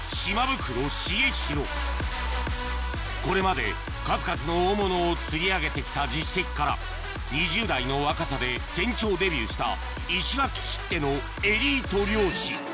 これまで数々の大物を釣り上げて来た実績から２０代の若さで船長デビューした石垣きってのエリート漁師